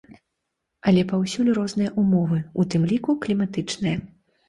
Але паўсюль розныя ўмовы ў тым ліку кліматычныя.